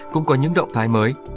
cũng có những động thái mới